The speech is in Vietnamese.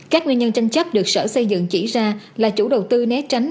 các nguyên nhân tranh chấp được sở xây dựng chỉ ra là chủ đầu tư né tránh